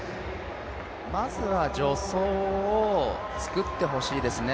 まずは助走をつくってほしいですね。